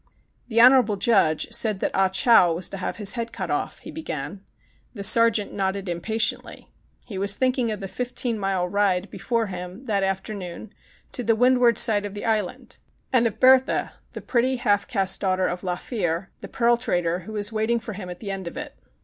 "The honorable judge said that Ah Chow was to have his head cut off," he beg an. The sergeant nodded impatiently. He was THE CHINAGO i8i thinking of the fifteen mile ride before him that afternoon, to the windward side of the island, and of Berthe, the pretty half caste daughter of Lafiere, the pearl trader, who was waiting for him at the end of it.